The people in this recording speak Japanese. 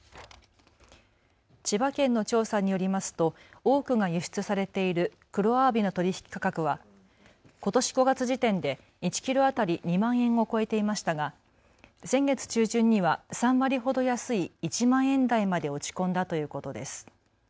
千葉県の調査によりますと多くが輸出されているクロアワビの取引価格はことし５月時点で１キロ当たり２万円を超えていましたが先月中旬には３割ほど安い１万円台まで落ち込んだということです。